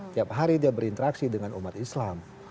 tiap hari dia berinteraksi dengan umat islam